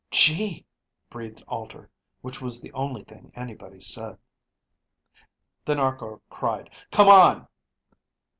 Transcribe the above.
"Gee," breathed Alter, which was the only thing anybody said. Then Arkor cried, "Come on."